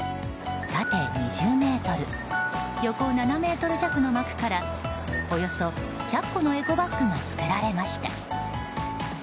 縦２０ｍ、横７ｍ弱の幕からおよそ１００個のエコバッグが作られました。